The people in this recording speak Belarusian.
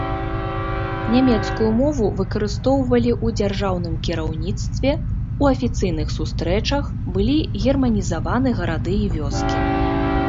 Нямецкую мову выкарыстоўвалі ў дзяржаўным кіраўніцтве, у афіцыйных сустрэчах, былі германізаваны гарады і вёскі.